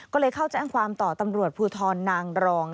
ก็เลยเข้าแจ้งความต่อตำรวจภูทรนางรอง